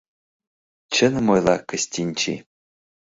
— Чыным ойла Кыстинчи!